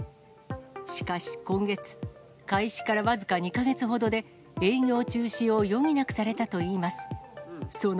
しかし、今月、開始から僅か２か月ほどで、営業中止を余儀なくされたといいます。